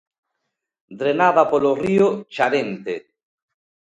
Drenada polo río Charente.